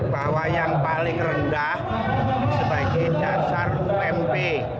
bahwa yang paling rendah sebagai dasar ump